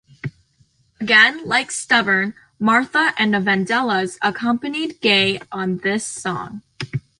Again, like "Stubborn", Martha and the Vandellas accompanied Gaye on this song.